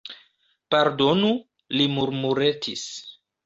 Pardonu, li murmuretis.